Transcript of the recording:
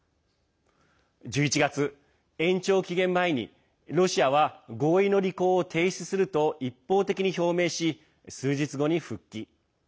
１１月、延長期限前にロシアは合意の履行を停止すると一方的に表明し、数日後に復帰。